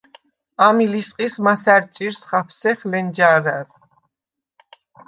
ამი ლისყის მასა̈რდ ჭირს ხაფსეხ ლენჯა̄რა̈რ.